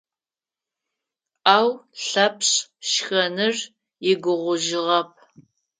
Ау Лъэпшъ шхэныр игугъужьыгъэп.